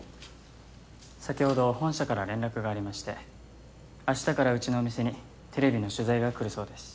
先ほど本社から連絡がありまして明日からうちのお店にテレビの取材が来るそうです。